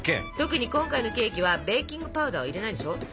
特に今回のケーキはベーキングパウダーを入れないでしょ。